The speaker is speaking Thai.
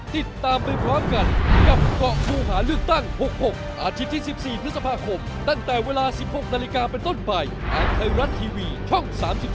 ติดตามไปพร้อมกันกับเกาะผู้หาเลือกตั้ง๖๖อาทิตย์ที่๑๔พฤษภาคมตั้งแต่เวลา๑๖นาฬิกาเป็นต้นไปทางไทยรัฐทีวีช่อง๓๒